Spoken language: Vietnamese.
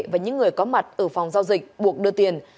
và những người có mặt ở phòng giao dịch buộc đưa tiền